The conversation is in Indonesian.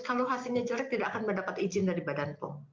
kalau hasilnya jelek tidak akan mendapat izin dari badan pom